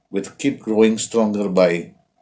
dengan terus meningkatkan dengan